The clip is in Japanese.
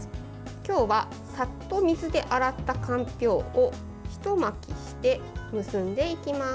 今日はさっと水で洗ったかんぴょうをひと巻きして結んでいきます。